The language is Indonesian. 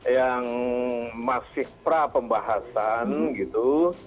yang masih pra pembahasan gitu